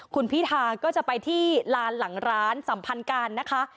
คุณพิธาก็จะไปที่ลานหลังร้านสัมพันธ์การนะคะ